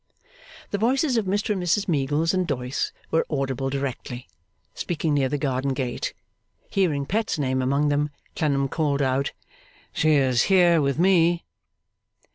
The voices of Mr and Mrs Meagles and Doyce were audible directly, speaking near the garden gate. Hearing Pet's name among them, Clennam called out, 'She is here, with me.